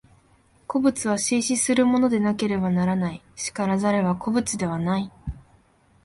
個物は生死するものでなければならない、然らざれば個物ではない。